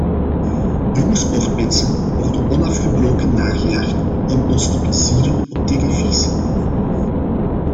Jonge sportmensen worden onafgebroken nagejaagd om ons te plezieren op televisie.